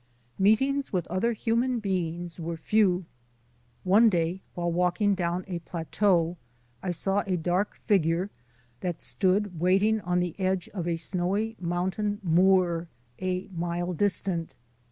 Meetings with other human beings were few. One day, while walking down a plateau, I saw a dark figure that stood waiting on the edge of a snowy mountain moor a mile distant.